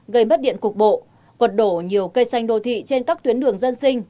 gây mất điện cục bộ quật đổ nhiều cây xanh đô thị trên các tuyến đường dân sinh